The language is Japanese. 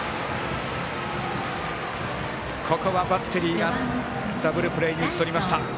ここはバッテリーがダブルプレーに打ち取りました。